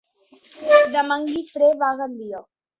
Demà en Guifré va a Gandia.